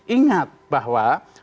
ingat bahwa pengawasan dan pemimpin